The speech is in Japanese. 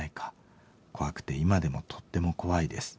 怖くて今でもとっても怖いです。